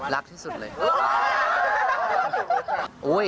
รักที่สุดเลย